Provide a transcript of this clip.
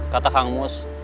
kata kang mus